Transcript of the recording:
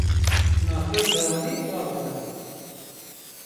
naxir dihanî av didan